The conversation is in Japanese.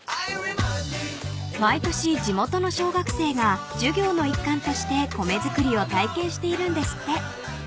［毎年地元の小学生が授業の一環として米作りを体験しているんですって］